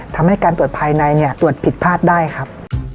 ทำให้การตรวจภายในเนี่ยตรวจผิดพลาดได้ครับ